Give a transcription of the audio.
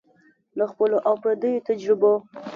له خپلو او پردیو تجربو